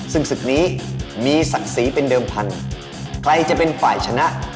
ซึ่งศึกนี้มีศักดิ์ศรีเป็นเดิมพันธุ์ใครจะเป็นฝ่ายชนะ